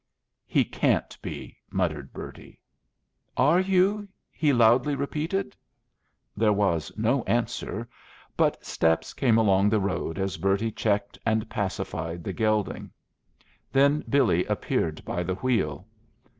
"He can't be," muttered Bertie. "Are you?" he loudly repeated. There was no answer: but steps came along the road as Bertie checked and pacified the gelding. Then Billy appeared by the wheel.